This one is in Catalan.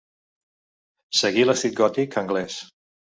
Seguí l'estil gòtic anglès.